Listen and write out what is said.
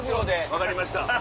分かりました。